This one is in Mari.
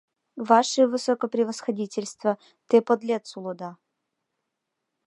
— Ваше высокопревосходительство, те подлец улыда!